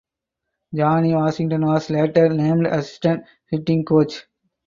Johnny Washington was later named assistant hitting coach.